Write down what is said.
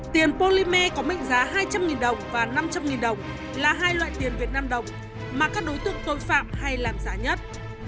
tiền polymer có mệnh giá hai trăm linh đồng và năm trăm linh đồng là hai loại tiền việt nam đồng mà các đối tượng tội phạm hay làm giá nhất